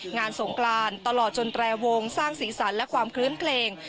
งานสงครานตลอดจนแตรวงสร้างศีรษรรค์และความเคลื้มเกรง